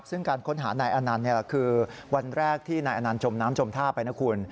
ซึ่งการค้นหานายอนันต์คือวันแรกที่นายอนันต์จมน้ำจมท่าไปนะคุณ